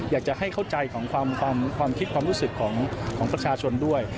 อยากจะให้เข้าใจของความคิดความรู้สึกของประชาชนด้วย